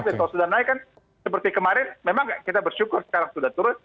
kalau sudah naik kan seperti kemarin memang kita bersyukur sekarang sudah turun